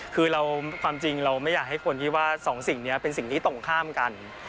คือความจริงเราไม่อยากให้คนที่ว่าสองสิ่งนี้เป็นสิ่งที่ตรงข้ามกัน